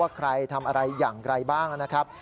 ใครทำอะไรอย่างไรบ้างนะครับ